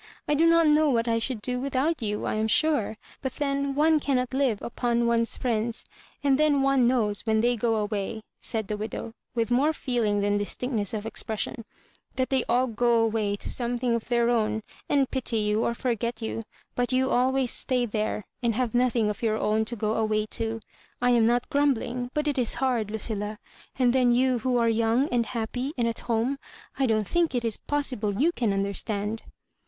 I do not know what I should do without you, I am sure; but then one cannot live upon one's friends ; and then one knows, when they go awayi^' said the widow, with more feeling than distinctness of expression, " that they all go away to something of their own, and pity you or forget you; but you always stay there, and have nothing of your own to go away to. I am not grumbUng, but it is hard, Lucilla ; and then you who are young, and happy, and at home, I don^t think it is possible you can understand."